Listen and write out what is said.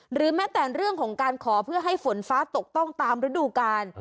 หรือแม้แต่เรื่องของการขอเพื่อให้ฝนฟ้าตกต้องตามฤดูกาล